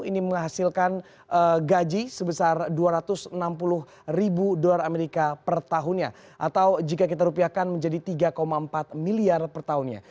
ini menghasilkan gaji sebesar dua ratus enam puluh ribu dolar amerika per tahunnya atau jika kita rupiahkan menjadi tiga empat miliar per tahunnya